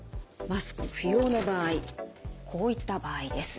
マスク不要の場合こういった場合です。